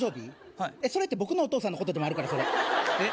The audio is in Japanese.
はいそれって僕のお父さんのことでもあるからえっ？